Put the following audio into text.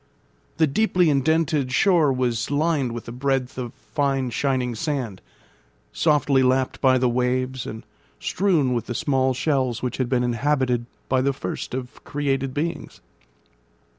The deeply indented shore was lined with a breadth of fine shining sand, softly lapped by the waves, and strewn with the small shells which had been inhabited by the first of created beings.